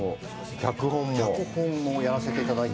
脚本もやらせていただいて。